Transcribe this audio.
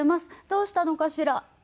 「どうしたのかしら？」。